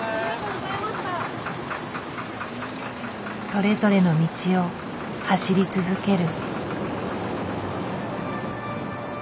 それぞれの道を走り続ける。